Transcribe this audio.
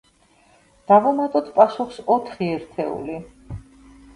დავუმატოთ პასუხს ოთხი ერთეული.